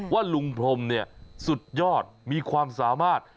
ว่าลุงพรมเนี่ยสุดยอดมีความสามารถ